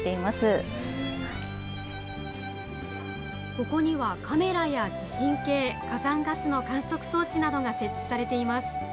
ここにはカメラや地震計、火山ガスの観測装置などが設置されています。